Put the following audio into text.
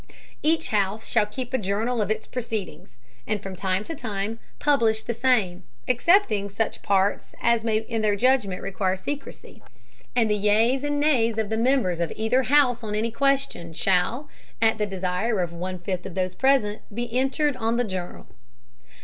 Each House shall keep a Journal of its Proceedings, and from time to time publish the same, excepting such Parts as may in their Judgment require Secrecy; and the Yeas and Nays of the Members of either House on any question shall, at the Desire of one fifth of those Present, be entered on the Journal.